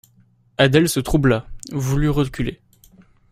Adèle se troubla, voulut reculer.